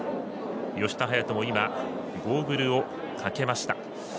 吉田隼人も今、ゴーグルをかけました。